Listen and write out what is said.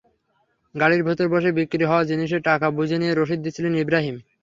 গাড়ির ভেতরে বসে বিক্রি হওয়া জিনিসের টাকা বুঝে নিয়ে রসিদ দিচ্ছিলেন ইব্রাহিম।